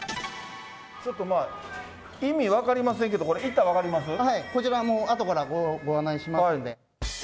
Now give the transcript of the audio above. ちょっと意味分かりませんけど、これ、はい、こちらあとからご案内しますんで。